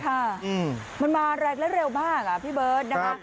ค่ะมันมาเร็กเร็วมากพี่เบิร์ตนะคะ